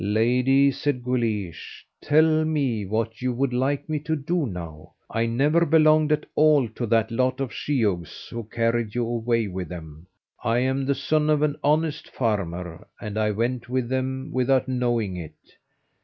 "Lady," said Guleesh, "tell me what you would like me to do now. I never belonged at all to that lot of sheehogues who carried you away with them. I am the son of an honest farmer, and I went with them without knowing it.